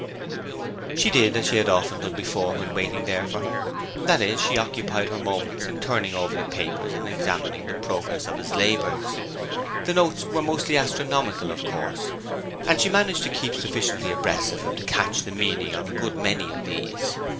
She did as she had often done before when waiting there for him; that is, she occupied her moments in turning over the papers and examining the progress of his labours. The notes were mostly astronomical, of course, and she had managed to keep sufficiently abreast of him to catch the meaning of a good many of these.